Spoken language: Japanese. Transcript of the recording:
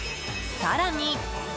更に。